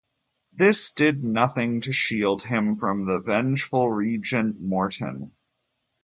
This did nothing to shield him from the vengeful Regent Morton.